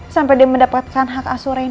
sampai dia mendapatkan hak asur rena sepenuhnya